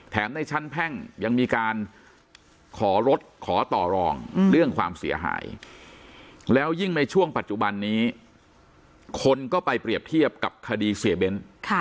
ในชั้นแพ่งยังมีการขอรถขอต่อรองเรื่องความเสียหายแล้วยิ่งในช่วงปัจจุบันนี้คนก็ไปเปรียบเทียบกับคดีเสียเบ้น